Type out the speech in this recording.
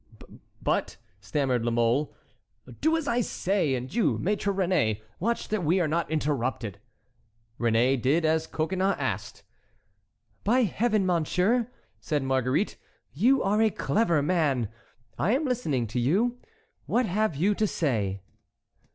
"But"—stammered La Mole. "Do as I say! And you, Maître Réné, watch that we are not interrupted." Réné did as Coconnas asked. "By Heaven, monsieur," said Marguerite, "you are a clever man. I am listening to you. What have you to say?"